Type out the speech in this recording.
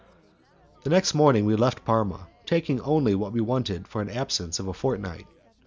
The next morning, we left Parma, taking only what we wanted for an absence of a fortnight.